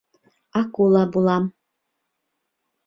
Акула булам.